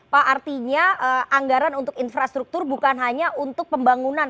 pak artinya anggaran untuk infrastruktur bukan hanya untuk pembangunan